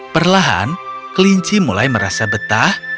perlahan kelinci mulai merasa betah